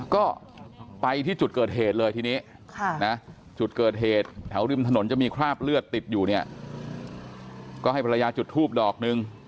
ก็ไปที่จุดเกิดเหตุเลยทีนี้จุดเกิดเหตุแถวริมถนนจะมีคราบเลือดติดอยู่เนี่ยก็ให้ภรรยาจุดทูบดอกนึง